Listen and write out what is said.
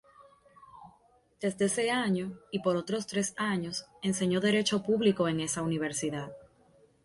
Desde ese año, y por otros tres años, enseñó Derecho Público en esa Universidad.